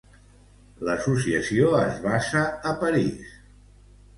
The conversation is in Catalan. L'associació es basa a París.